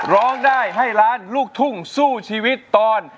ร้องได้ให้ล้านลูกทุ่งสู้ชีวิตตอน